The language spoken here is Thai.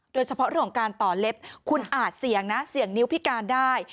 โดยเฉพาะเรื่องของการต่อเล็บคุณอาจเสี่ยงนะเสี่ยงนิ้วพิการได้